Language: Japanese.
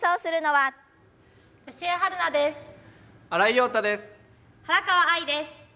原川愛です。